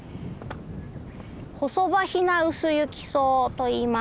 ホソバヒナウスユキソウといいます。